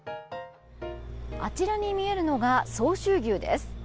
あちらに見えるのが相州牛です。